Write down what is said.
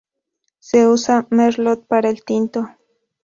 Se usa "merlot" para el tinto.